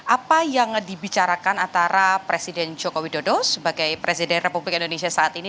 apa yang dibicarakan antara presiden joko widodo sebagai presiden republik indonesia saat ini